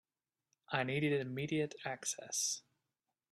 I needed immediate access.